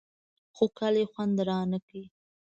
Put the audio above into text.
خو کلي خوند رانه کړ.